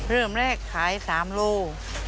เริ่มแรกขาย๓โล